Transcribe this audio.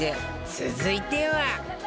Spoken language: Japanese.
続いては